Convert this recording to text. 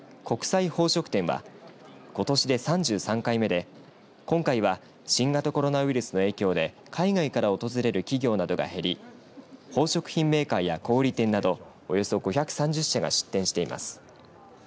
国際宝飾展はことしで３３回目で今回は新型コロナウイルスの影響で海外から訪れる企業などが減り宝飾品メーカーや小売店などおよそ５３０社が出展しています。